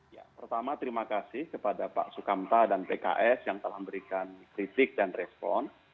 ya pertama terima kasih kepada pak sukamta dan pks yang telah memberikan kritik dan respon